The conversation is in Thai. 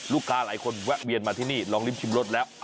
ลูกค้าหลายคนแวะเวียนมาที่นี่ลองลิ้มชิมรสแล้ว